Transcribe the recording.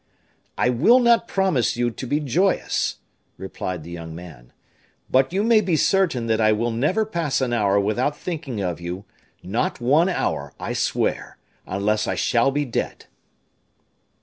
"I will not promise you to be joyous," replied the young man; "but you may be certain that I will never pass an hour without thinking of you, not one hour, I swear, unless I shall be dead."